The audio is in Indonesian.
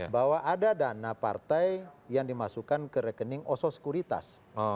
bahwa ada dana partai yang dimasukkan ke rekening oso sekuritas